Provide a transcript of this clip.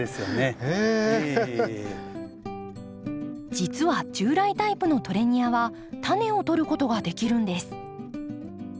実は従来タイプのトレニアは種をとることができるんです。